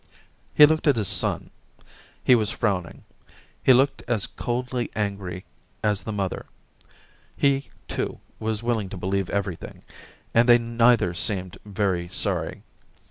He looked at his son ; he was frowning ; he looked as coldly angry as the mother. He, too, was willing to believe everything, and they neither seemed very sorry. ..